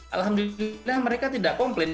alhamdulillah mereka tidak komplain